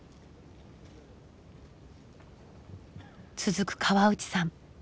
続く河内さん。